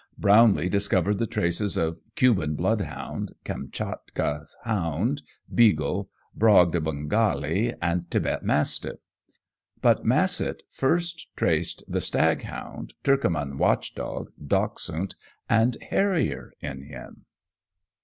Brownlee discovered the traces of Cuban bloodhound, Kamtchatka hound, beagle, Brague de Bengale, and Thibet mastiff, but Massett first traced the stag hound, Turkoman watchdog, Dachshund, and Harrier in him.